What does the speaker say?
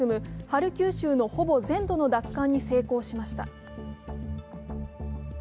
ハルキウ州のほぼ全土の奪還に成功しました。